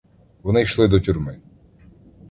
Вони йшли до тюрми.